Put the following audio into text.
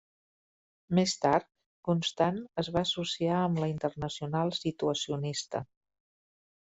Més tard, Constant es va associar amb la Internacional Situacionista.